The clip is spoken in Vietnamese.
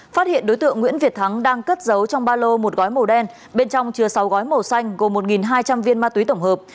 phát hiện đối tượng nguyễn việt thắng đang cất giấu trong ba lô một gói màu đen bên trong chứa sáu gói màu xanh gồm một hai trăm linh viên ma túy tổng hợp